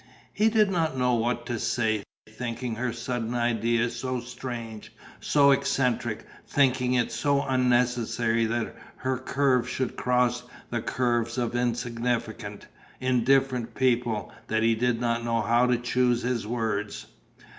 He did not know what to say, thinking her sudden idea so strange, so eccentric, thinking it so unnecessary that her curve should cross the curves of insignificant, indifferent people, that he did not know how to choose his words.